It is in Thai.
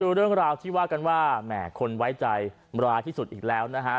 ดูเรื่องราวที่ว่ากันว่าแหมคนไว้ใจร้ายที่สุดอีกแล้วนะฮะ